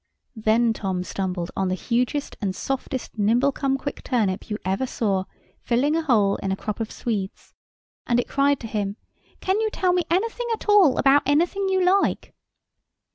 Then Tom stumbled on the hugest and softest nimblecomequick turnip you ever saw filling a hole in a crop of swedes, and it cried to him, "Can you tell me anything at all about anything you like?"